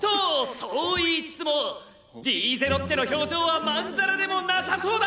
そう言いつつもリーゼロッテの表情はまんざらでもなさそうだ。